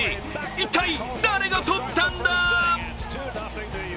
一体誰が取ったんだ？